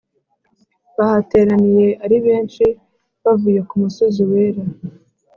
Bahateraniye ari benshi bavuye ku musozi wera